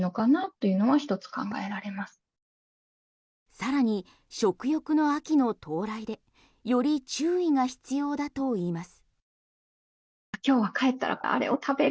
さらに食欲の秋の到来でより注意が必要だといいます。